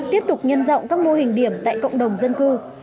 tiếp tục nhân rộng các mô hình điểm tại cộng đồng dân cư